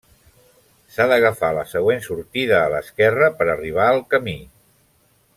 S'ha d'agafar la següent sortida a l'esquerra per arribar al camí.